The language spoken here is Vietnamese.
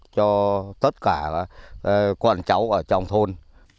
cho tất cả con cháu ở trong thôn